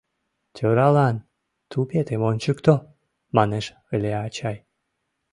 «Тӧралан тупетым ончыкто», — манеш ыле ачай.